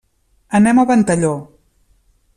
Anem a Ventalló.